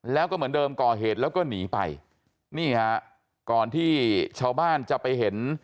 แล้วก็เหมือนเดิมก่อเหตุแล้วก็หนีไปนี่ฮะก่อนที่ชาวบ้านจะไปเห็น